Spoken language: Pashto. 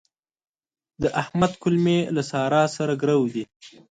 د احمد کولمې له سارا سره ګرو دي.